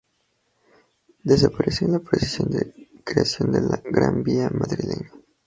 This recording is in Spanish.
Desapareció en el proceso de creación de la Gran Vía madrileña.